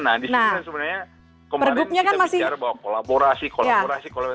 nah disinilah sebenarnya kemarin kita bicara bahwa kolaborasi kolaborasi kolaborasi